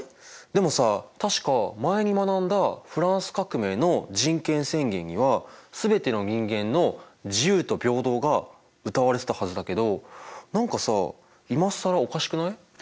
でもさ確か前に学んだフランス革命の人権宣言には全ての人間の自由と平等がうたわれてたはずだけど何かさ今更おかしくない？